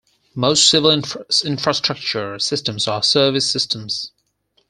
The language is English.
Most civil infrastructure systems are service systems.